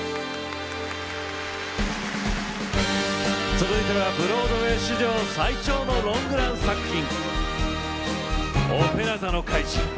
続いてはブロードウェイ史上最長のロングラン作品。